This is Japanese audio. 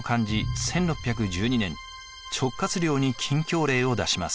１６１２年直轄領に禁教令を出します。